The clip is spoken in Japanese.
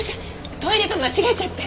トイレと間違えちゃって。